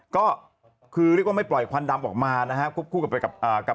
ก็คือเรียกว่าไม่ปล่อยควันดำออกมานะครับ